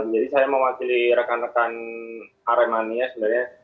jadi saya mewakili rekan rekan aremania sebenarnya